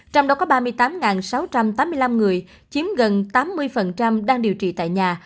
trong đó có ba mươi tám sáu trăm tám mươi năm người chiếm gần tám mươi đang điều trị tại nhà